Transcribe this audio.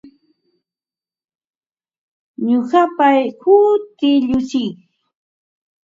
Nuqapa hutii Llushim.